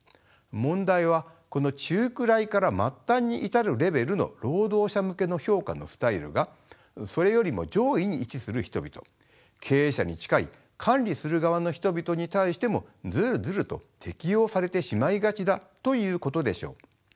問題はこの中くらいから末端に至るレベルの労働者向けの評価のスタイルがそれよりも上位に位置する人々経営者に近い管理する側の人々に対してもずるずると適用されてしまいがちだということでしょう。